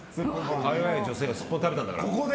か弱い女性がすっぽん食べたんだから。